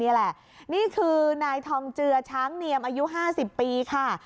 นี่แหละนี่คือนายทองเจือช้างเนียมอายุ๕๐ปีค่ะ